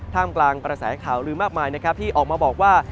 กลางกระแสข่าวลือมากมายนะครับที่ออกมาบอกว่า